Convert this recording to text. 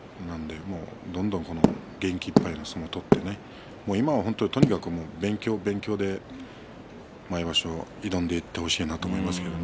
どんどん元気いっぱいの相撲を取って今は、とにかく勉強勉強で毎場所、挑んでいってほしいと思いますけどね。